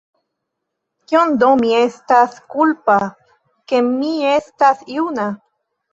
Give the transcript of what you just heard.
Kion do mi estas kulpa, ke mi estas juna?